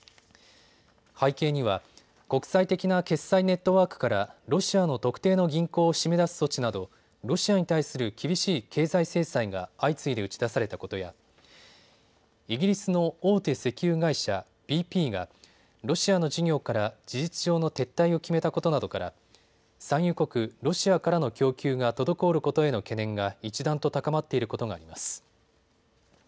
背景には国際的な決済ネットワークからロシアの特定の銀行を締め出す措置などロシアに対する厳しい経済制裁が相次いで打ち出されたことやイギリスの大手石油会社、ＢＰがロシアの事業から事実上の撤退を決めたことなどから産油国ロシアからの供給が滞ることへの懸念が一段と高まっていることがあります。